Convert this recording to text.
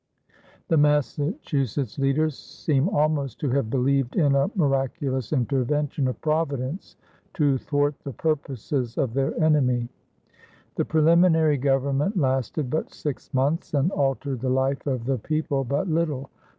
The Massachusetts leaders seem almost to have believed in a miraculous intervention of Providence to thwart the purposes of their enemy. The preliminary government lasted but six months and altered the life of the people but little.